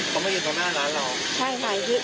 เขามายืนตรงหน้าร้านเรา